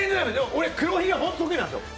俺、黒ひげ得意なんですよ。